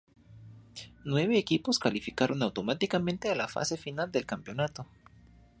Nueve equipos calificaron automáticamente a la fase final del Campeonato.